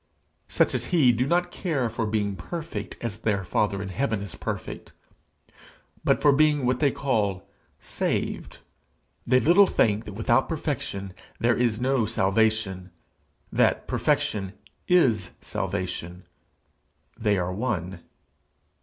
Such as he do not care for being perfect as their Father in heaven is perfect, but for being what they call saved. They little think that without perfection there is no salvation that perfection is salvation: they are one.